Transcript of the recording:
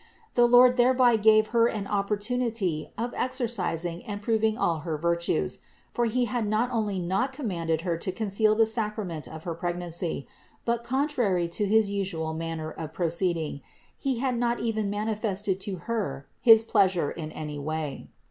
The Lord thereby gave Her an opportunity of exercising and proving all Her virtues; for He had not only not commanded Her to conceal the sacrament of her pregnancy, but contrary to his usual manner of proceeding, He had not even mani fested to Her his pleasure in any way.